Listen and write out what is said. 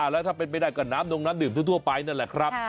แล้วถ้าเป็นไปได้ก็น้ำนงน้ำดื่มทั่วไปนั่นแหละครับ